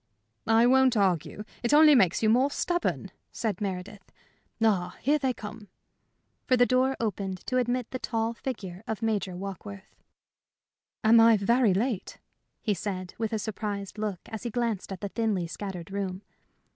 "I won't argue. It only makes you more stubborn," said Meredith. "Ah, still they come!" For the door opened to admit the tall figure of Major Warkworth. "Am I very late?" he said, with a surprised look as he glanced at the thinly scattered room.